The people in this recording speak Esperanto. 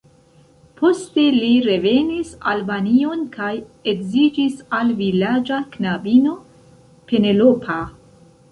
Poste li revenis Albanion kaj edziĝis al vilaĝa knabino, Penelopa.